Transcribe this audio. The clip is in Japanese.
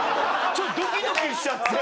ちょっとドキドキしちゃって。